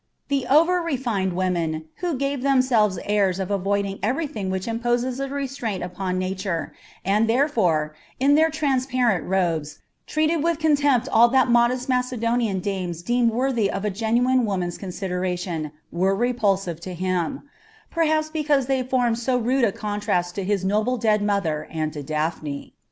The over refined women who gave themselves airs of avoiding everything which imposes a restraint upon Nature, and therefore, in their transparent robes, treated with contempt all that modest Macedonian dames deemed worthy of a genuine woman's consideration, were repulsive to him perhaps because they formed so rude a contrast to his noble dead mother and to Daphne.